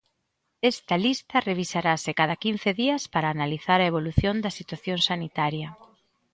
Esta lista revisarase cada quince días para analizar a evolución da situación sanitaria.